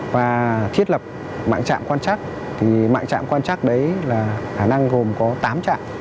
mạng trạm quan trắc thì mạng trạm quan trắc đấy là khả năng gồm có tám trạm